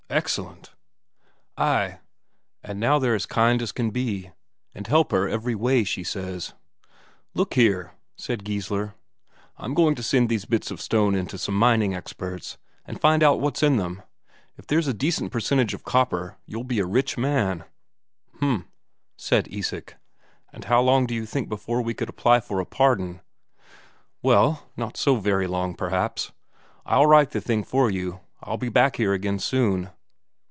"Excellent!" "Ay, and now they're all as kind as can be, and help her every way, she says." "Look here," said Geissler, "I'm going to send these bits of stone in to some mining experts, and find out what's in them. If there's a decent percentage of copper, you'll be a rich man." "H'm," said Isak. "And how long do you think before we could apply for a pardon?" "Well, not so very long, perhaps, I'll write the thing for you. I'll be back here again soon.